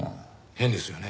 変ですよね。